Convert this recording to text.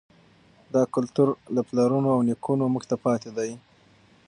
دا کلتور له پلرونو او نیکونو موږ ته پاتې دی.